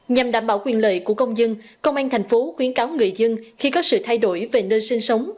nhằm đảm bảo quyền lợi của công dân công an thành phố khuyến cáo người dân khi có sự thay đổi về nơi sinh sống